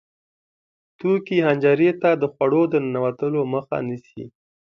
توکې حنجرې ته د خوړو د ننوتو مخه نیسي.